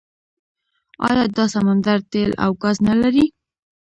آیا دا سمندر تیل او ګاز نلري؟